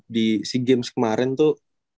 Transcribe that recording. di sea games kemarin tuh